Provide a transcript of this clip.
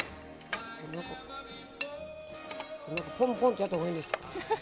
ぽんぽんってやったほうがいいんですか？